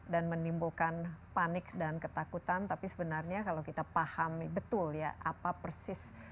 dan menimbulkan panik dan ketakutan tapi sebenarnya kalau kita paham betul ya apa persis